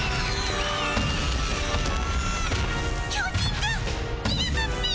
巨人がにげたっピ。